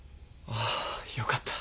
あよかった。